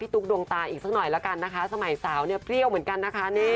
ตุ๊กดวงตาอีกสักหน่อยละกันนะคะสมัยสาวเนี่ยเปรี้ยวเหมือนกันนะคะ